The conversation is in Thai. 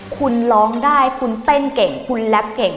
คุณร้องได้คุณเต้นเก่งคุณแรปเก่ง